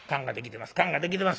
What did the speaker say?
もうできてます。